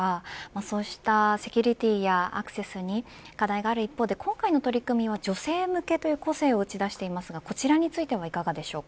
そうしたセキュリティーやアクセスに課題がある一方で今回の取り組みは女性向けという個性を打ち出してますが、どうですか。